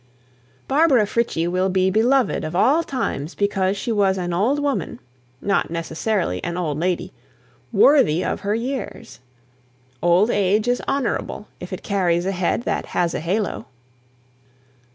"Barbara Frietchie" will be beloved of all times because she was an old woman (not necessarily an old lady) worthy of her years. Old age is honourable if it carries a head that has a halo.